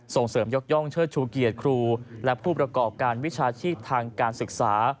ส่งเสริมยกย่องเชิญชูเกียรติครูและพูดประเกาะการวิชาธิทางคุณฯ